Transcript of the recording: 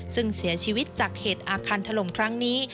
ซึ่งเสียชีวิตจากเหตุอาคารถล่มครั้งนี้